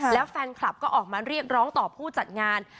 แล้วแฟนคลับก็ออกมาเรียกร้องต่อผู้จัดงาน